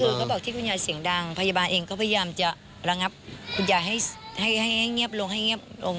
คือเขาบอกที่คุณยายเสียงดังพยาบาลเองก็พยายามจะระงับคุณยายให้เงียบลงให้เงียบลง